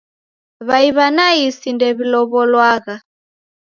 W'ai w'a naisi ndew'ilow'olwagha